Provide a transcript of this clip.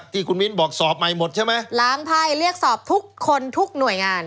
ที่คุณมิ้นบอกสอบใหม่หมดใช่ไหมล้างไพ่เรียกสอบทุกคนทุกหน่วยงาน